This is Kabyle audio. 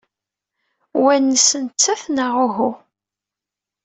Wa nnes nettat, neɣ uhu?